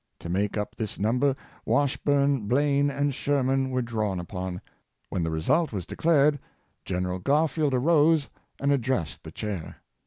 To make up this number, Washburne, Blaine, and Sherman were drawn upon. When the result was de clared. Gen. Garfield arose and addressed the Chair.